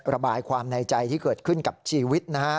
ระบายความในใจที่เกิดขึ้นกับชีวิตนะฮะ